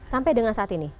sampai dengan saat ini